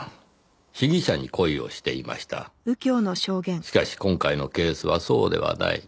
しかし今回のケースはそうではない。